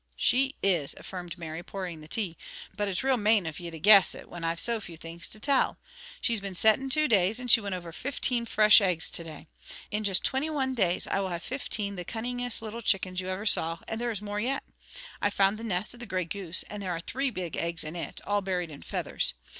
"She is," affirmed Mary, pouring the tea, "but it is real mane of you to guess it, when I've so few new things to tell. She has been setting two days, and she went over fifteen fresh eggs to day. In just twinty one days I will have fiftane the cunningest little chickens you ever saw, and there is more yet. I found the nest of the gray goose, and there are three big eggs in it, all buried in feathers.